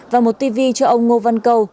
và một tv cho ông ngô văn câu